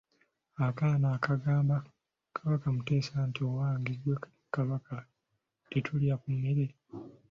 Akaana akagamba Kabaka Muteesa nti owange ggwe Kabaka tetuulye ku mmere!